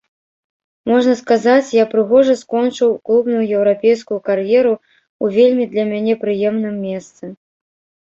Можна сказаць, я прыгожа скончыў клубную еўрапейскую кар'еру ў вельмі для мяне прыемным месцы.